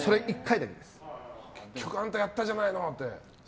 結局あんたやったじゃないのって。